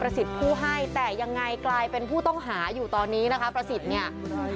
สิทธิ์ผู้ให้แต่ยังไงกลายเป็นผู้ต้องหาอยู่ตอนนี้นะคะประสิทธิ์เนี่ย